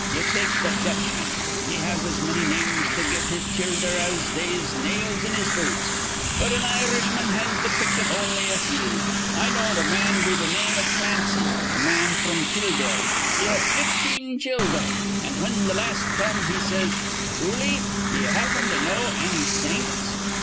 Ye take th' Dutchman: he has as manny names to give to his childher as they'se nails in his boots, but an Irishman has th' pick iv on'y a few. I knowed a man be th' name iv Clancy, a man fr'm Kildare. He had fifteen childher; an', whin th' las' come, he says, 'Dooley, d'ye happen to know anny saints?'